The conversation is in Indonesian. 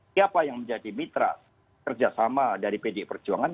siapa yang menjadi mitra kerjasama dari pdi perjuangan